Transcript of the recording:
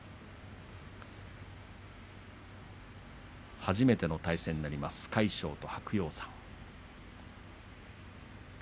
初めての対戦になります魁勝と白鷹山。